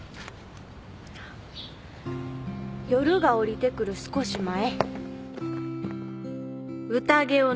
「夜が降りてくる少し前」